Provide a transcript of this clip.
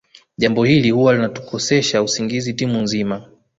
Jambo hili huwa linatukosesha usingizi timu nzima